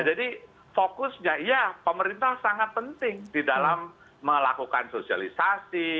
jadi fokusnya iya pemerintah sangat penting di dalam melakukan sosialisasi